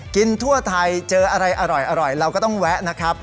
ทั่วไทยเจออะไรอร่อยเราก็ต้องแวะนะครับ